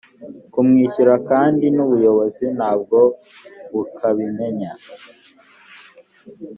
kumwishyura kandi n ubuyobozi ntabwo bukabimenya